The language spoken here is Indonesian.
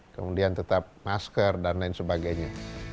kemudian tetap masker dan lain sebagainya